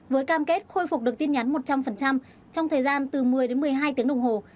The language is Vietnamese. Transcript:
với cam kết khôi phục được tin nhắn một trăm linh trong thời gian từ một mươi đến một mươi hai tiếng đồng hồ